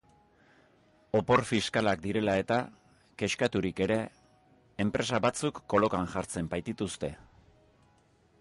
Opor fiskalak direla eta, kexkaturik ere, enpresa batzuk kolokan jartzen baitituzte.